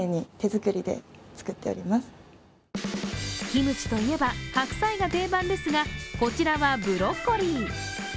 キムチといえば白菜が定番ですが、こちらはブロッコリー。